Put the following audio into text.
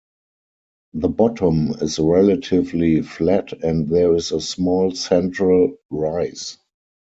The bottom is relatively flat and there is a small central rise.